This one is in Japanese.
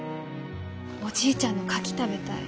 おじいちゃんのカキ食べたい。